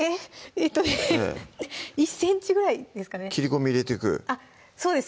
えっとね１ｃｍぐらいですかね切り込み入れていくそうです